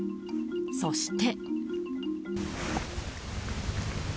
そして。